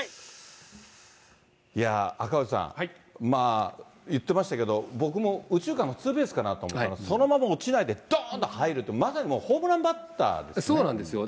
いやー、赤星さん、言ってましたけど、僕も右中間のツーベースかなと思ったら、そのまま落ちないでどーんと入るって、まさにホームランバッターそうなんですよ。